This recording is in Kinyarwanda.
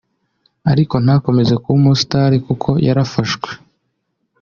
ariko ntakomeze kuba umusitari kuko yarafashwe